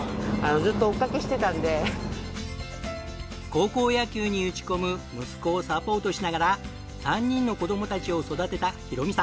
高校野球に打ち込む息子をサポートしながら３人の子供たちを育てた浩美さん。